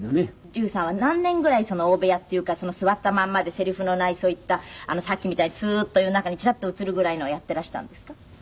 笠さんは何年ぐらい大部屋っていうか座ったまんまでセリフのないそういったさっきみたいにツーッという中にチラッと映るぐらいのをやっていらしたんですか？